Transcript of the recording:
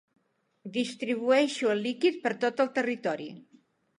Distribueixo el líquid per tot el territori.